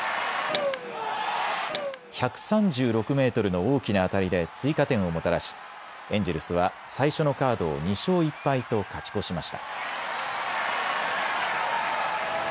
１３６メートルの大きな当たりで追加点をもたらしエンジェルスは最初のカードを２勝１敗と勝ち越しました。